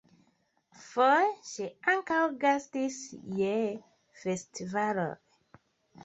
Foje ŝi ankaŭ gastis je festivaloj.